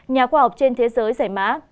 nhà khoa học trên thế giới giải mã